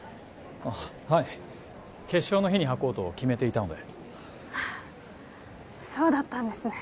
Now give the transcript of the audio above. ああはい決勝の日に履こうと決めていたのであそうだったんですね